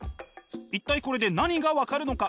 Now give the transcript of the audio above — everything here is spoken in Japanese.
一体これで何が分かるのか？